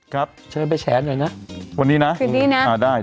ครับเชิญไปแฉหน่อยนะวันนี้นะคืนนี้นะอ่าได้